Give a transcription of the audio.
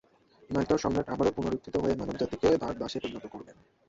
নয়তো সম্রাট আবারও পুনরুত্থিত হয়ে মানবজাতিকে তার দাসে পরিণত করবেন!